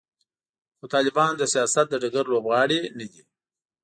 خو طالبان د سیاست د ډګر لوبغاړي نه دي.